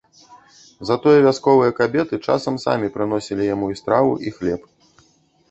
Затое вясковыя кабеты часам самі прыносілі яму і страву, і хлеб.